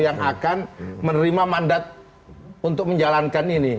yang akan menerima mandat untuk menjalankan ini